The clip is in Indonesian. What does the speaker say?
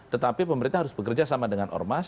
tetapi pemerintah harus bekerja sama dengan ormas